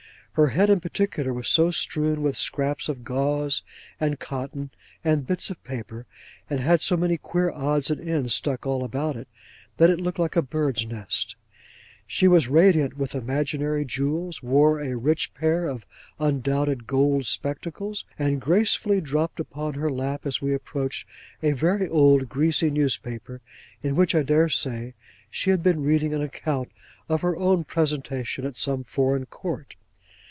Her head in particular was so strewn with scraps of gauze and cotton and bits of paper, and had so many queer odds and ends stuck all about it, that it looked like a bird's nest. She was radiant with imaginary jewels; wore a rich pair of undoubted gold spectacles; and gracefully dropped upon her lap, as we approached, a very old greasy newspaper, in which I dare say she had been reading an account of her own presentation at some Foreign Court.